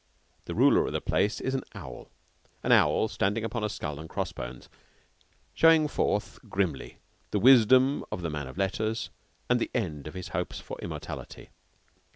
The ruler of the place is an owl an owl standing upon a skull and cross bones, showing forth grimly the wisdom of the man of letters and the end of his hopes for immortality.